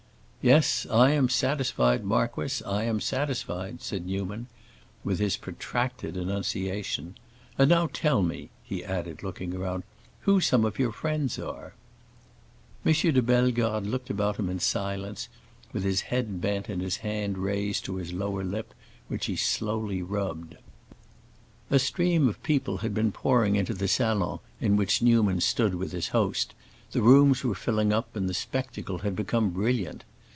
"Yes, I am satisfied, marquis, I am satisfied," said Newman, with his protracted enunciation. "And now tell me," he added, looking round, "who some of your friends are." M. de Bellegarde looked about him in silence, with his head bent and his hand raised to his lower lip, which he slowly rubbed. A stream of people had been pouring into the salon in which Newman stood with his host, the rooms were filling up and the spectacle had become brilliant.